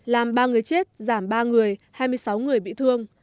làm ba người chết giảm ba người hai mươi sáu người bị thương